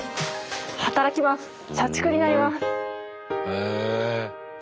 へえ。